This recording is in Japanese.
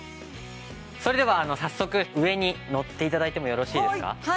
それでは早速上に乗って頂いてもよろしいですか？